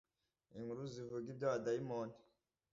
inkuru zivuga iby abadayimoni